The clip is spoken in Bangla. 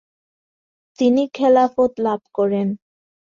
তিনি খেলাফত লাভ করেন।